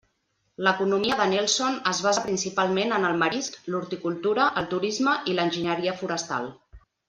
L'economia de Nelson es basa principalment en el marisc, l'horticultura, el turisme i l'enginyeria forestal.